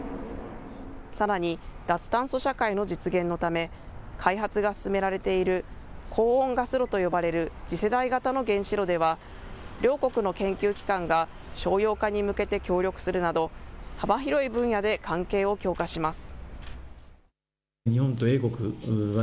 さらに脱炭素社会の実現のため、開発が進められている高温ガス炉と呼ばれる次世代型の原子炉では、両国の研究機関が商用化に向けて協力するなど、幅広い分野で関係を強化します。